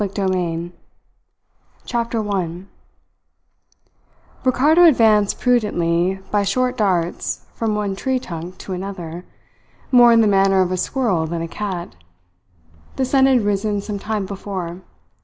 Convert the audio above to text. PART FOUR CHAPTER ONE Ricardo advanced prudently by short darts from one tree trunk to another, more in the manner of a squirrel than a cat. The sun had risen some time before.